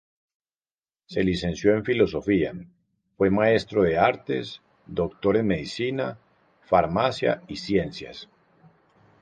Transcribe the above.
Se licenció en Filosofía, fue maestro en Artes, doctor en Medicina, Farmacia y Ciencias.